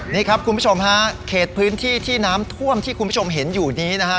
นี่ครับคุณผู้ชมฮะเขตพื้นที่ที่น้ำท่วมที่คุณผู้ชมเห็นอยู่นี้นะฮะ